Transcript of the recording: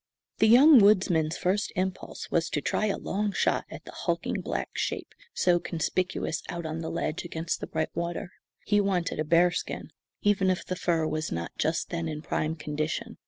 The young woodsman's first impulse was to try a long shot at the hulking black shape so conspicuous out on the ledge, against the bright water. He wanted a bearskin, even if the fur was not just then in prime condition.